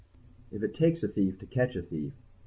] _If it "takes a thief to catch a thief"